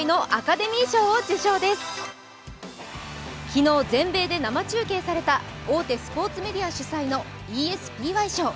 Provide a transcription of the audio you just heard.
昨日、全米で生中継された大手スポーツメディア主催のＥＳＰＹ賞。